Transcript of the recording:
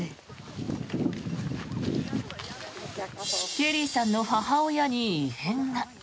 ケリーさんの母親に異変が。